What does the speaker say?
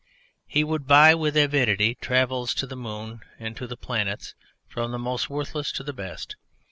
He would buy with avidity travels to the moon and to the planets, from the most worthless to the best.